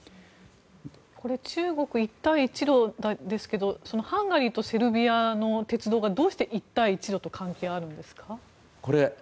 中国一帯一路ですけどハンガリーとセルビアの鉄道が、どうして一帯一路と関係があるんですか。